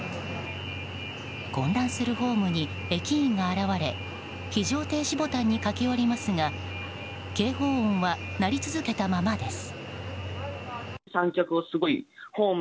混乱するホームに駅員が現れ非常停止ボタンに駆け寄りますが警報音は鳴り続けたままです。